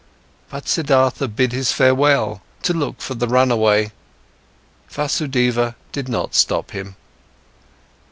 But Siddhartha bid his farewell, to look for the run away. Vasudeva did not stop him.